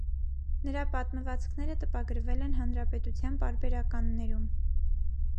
Նրա պատմվածքները տպագրվել են հանրապետության պարբերականներում։